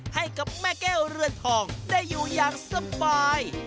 ให้กับแม่แก้วเรือนทองได้อยู่อย่างสบาย